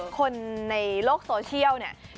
คนในโลกโซเชียลเนี่ย